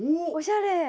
おしゃれ！